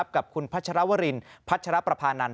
กับคุณพัฯตรวรินพัฯิรปราภานันตร์